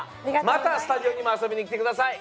またスタジオにもあそびにきてください。